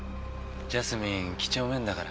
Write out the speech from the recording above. ジャスミン几帳面だから。